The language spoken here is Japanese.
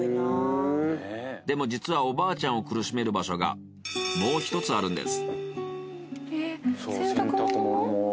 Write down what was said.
でも実はおばあちゃんを苦しめる場所がもう一つあるんです。